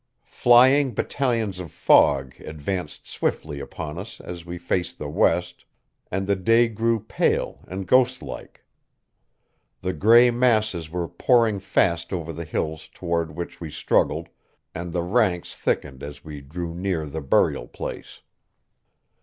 Flying battalions of fog advanced swiftly upon us as we faced the West, and the day grew pale and ghostlike. The gray masses were pouring fast over the hills toward which we struggled, and the ranks thickened as we drew near the burial place.